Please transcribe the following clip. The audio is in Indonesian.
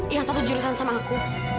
iya satu jurusan sama aku